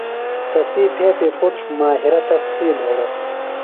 تسی پھیپی پُتر ماہرہ تس سِیل ہِڑوۡ۔